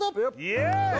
イエーイ！